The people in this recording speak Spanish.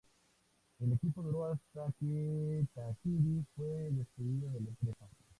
El equipo duró hasta que Tajiri fue despedido de la empresa.